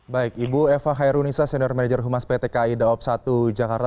baik ibu eva hairunisa senior manager humas pt ki the ops satu jakarta